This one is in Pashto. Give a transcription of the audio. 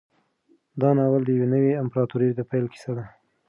دا ناول د یوې نوې امپراطورۍ د پیل کیسه ده.